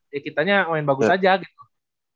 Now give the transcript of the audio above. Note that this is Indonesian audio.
ya kitanya main bagus aja gitu